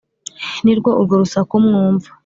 Ni rwo urwo rusaku mwumva.